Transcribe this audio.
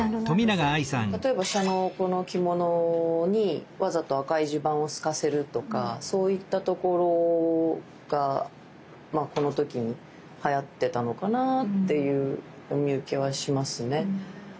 例えば紗のこの着物にわざと赤い襦袢を透かせるとかそういったところがこの時にはやってたのかなぁっていうお見受けはしますね。